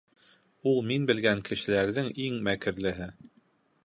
Ул мин белгән кешеләрҙең иң мәкерлеһе.